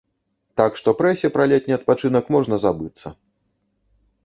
Так што прэсе пра летні адпачынак можна забыцца.